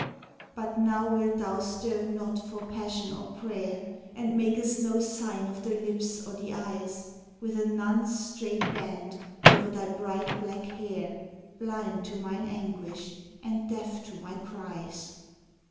But now wilt thou stir not for passion or prayer, And makest no sign of the lips or the eyes, With a nun's strait band o'er thy bright black hair Blind to mine anguish and deaf to my cries.